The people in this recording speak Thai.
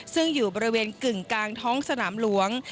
ซึ่งอยู่บริเวณกึ่งกลางท้องสนามหลวง